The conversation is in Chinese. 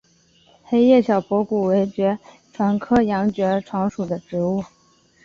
黑叶小驳骨为爵床科洋爵床属的植物。